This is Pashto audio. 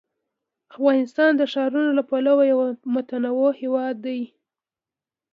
افغانستان د ښارونو له پلوه یو متنوع هېواد دی.